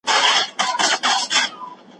خصوصي پوهنتون په اسانۍ سره نه منظوریږي.